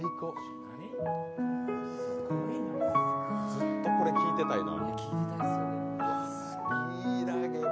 ずっとこれ、聴いてたいな。